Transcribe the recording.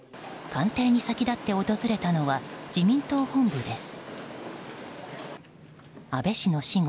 官邸に先立って訪れたのは自民党本部です。